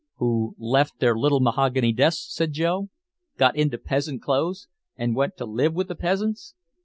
"Who left their little mahogany desks," said Joe, "got into peasant clothes and went to live with the peasants!"